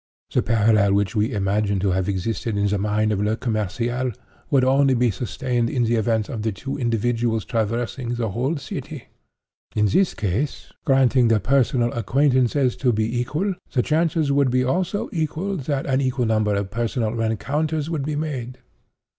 The parallel which we imagine to have existed in the mind of Le Commerciel would only be sustained in the event of the two individuals traversing the whole city. In this case, granting the personal acquaintances to be equal, the chances would be also equal that an equal number of personal rencounters would be made.